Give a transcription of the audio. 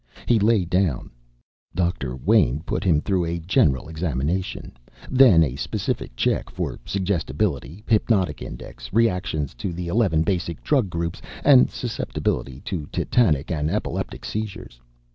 He lay down. Doctor Wayn put him through a general examination, then a specific check for suggestibility, hypnotic index, reactions to the eleven basic drug groups, and susceptibility to tetanic and epileptic seizures.